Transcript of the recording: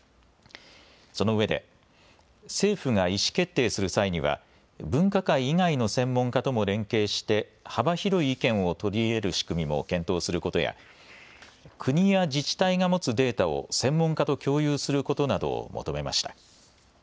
そのうえで政府が意思決定する際には分科会以外の専門家とも連携して幅広い意見を取り入れる仕組みも検討することや国や自治体が持つデータを専門家と共有することなどを求めました。